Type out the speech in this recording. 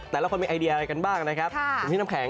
แต่ละพวกมีไอเดียอะไรกันบ้างกันได้ครับ